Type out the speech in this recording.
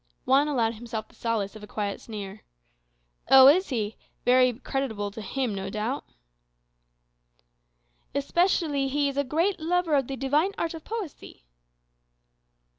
Juan allowed himself the solace of a quiet sneer. "Oh, is he? Very creditable to him, no doubt." "Especially he is a great lover of the divine art of poesy."